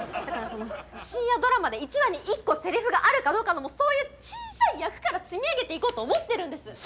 だからその深夜ドラマで１話に１個せりふがあるかどうかのもうそういう小さい役から積み上げていこうと思ってるんです！